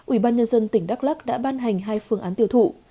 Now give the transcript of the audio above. ủy ban nhân dân tỉnh đắk lắc đã ban hành hai phương án tiêu thụ